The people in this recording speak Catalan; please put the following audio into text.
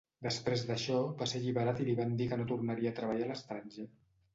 Després d'això, va ser alliberat i li van dir que no tornaria a treballar a l'estranger.